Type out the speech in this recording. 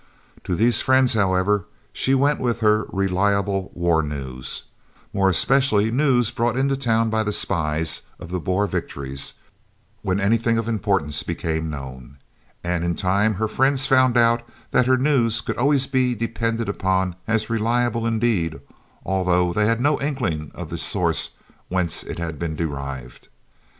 To these friends, however, she went with her "reliable war news" (more especially news brought into town by the spies, of the Boer victories) when anything of importance became known, and in time her friends found out that her news could always be depended upon as reliable indeed, although they had no inkling of the source whence it had been derived.